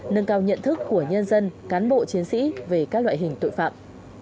nâng cao nhận thức của nhân dân cán bộ chiến sĩ về các loại hình tội phạm